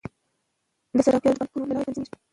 د صرافۍ چارې د بانکونو له لارې تنظیمیږي.